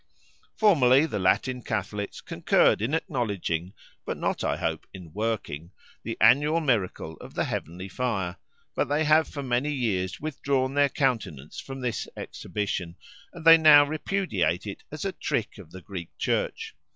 Formerly the Latin Catholics concurred in acknowledging (but not, I hope, in working) the annual miracle of the heavenly fire, but they have for many years withdrawn their countenance from this exhibition, and they now repudiate it as a trick of the Greek Church.